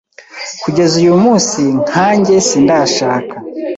kugeza uyu munsi nkanjye sindashaka